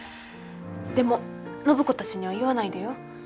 でも暢子たちには言わないでよ。